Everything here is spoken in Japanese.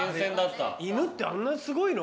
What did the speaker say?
犬ってあんなにすごいの？